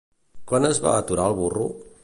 Quan es va aturar el burro?